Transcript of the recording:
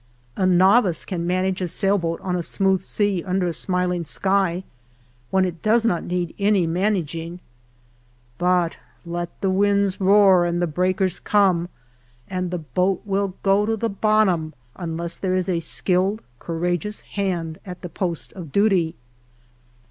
A novice can manage a sailboat on a smooth sea under a smiline: skv, when it does not need any mana ging ; but let the winds roar and the breakers come, and the boat will go to the bottom, unless there is a skilled, cour ageous hand at the post of duty.